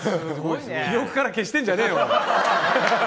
記憶から決してんじゃねーよ。